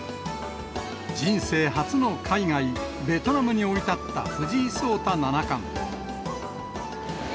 人生初の海外、ベトナムに降り立った藤井聡太七冠。